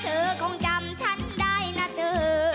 เธอคงจำฉันได้นะเธอ